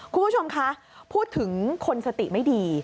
คุณผู้ชมคะพูดถึงคนสติไม่ดี